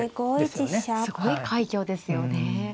すごい快挙ですよね。